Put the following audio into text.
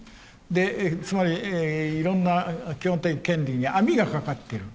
つまりいろんな基本的権利に網が掛かってる。